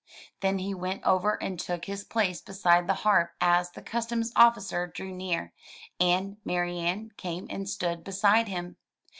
Then he went over and took his place beside the harp as the customs officer drew near, and Marianne came and stood beside him.